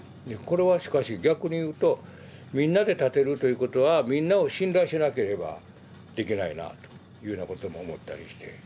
これはしかし逆に言うとみんなで建てるということはみんなを信頼しなければいけないなというようなことも思ったりして。